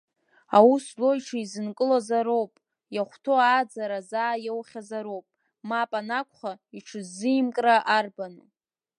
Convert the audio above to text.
Аус злоу иҽизынкылозаро-уп, иахәҭоу ааӡара заа иоухьазароуп, мап анакәха, иҽ-ыззимкра арбану.